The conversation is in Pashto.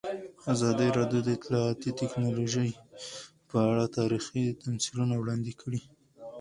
ازادي راډیو د اطلاعاتی تکنالوژي په اړه تاریخي تمثیلونه وړاندې کړي.